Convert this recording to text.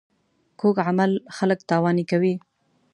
کوږ عمل خلک تاواني کوي